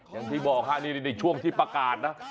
อย่างที่บอกฮะนี่ช่วงที่ประกาศนะ